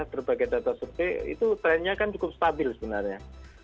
berbagai data survei itu trennya kan cukup stabil sebenarnya